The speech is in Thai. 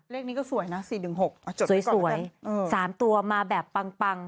เลขนี้ก็สวยนะ๔๑๖สวย๓ตัวมาแบบปัง